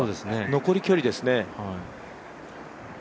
残り距離ですね。